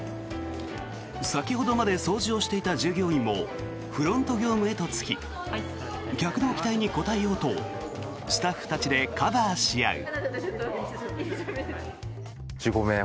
先ほどまで掃除をしていた従業員もフロント業務へとつき客の期待に応えようとスタッフたちでカバーし合う。